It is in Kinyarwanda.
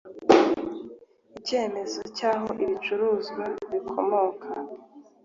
icyemezo cy aho ibicuruzwa bikomoka